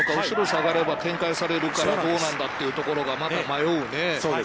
後ろに下がれば、展開されるから、どうなんだというところがまた迷うね。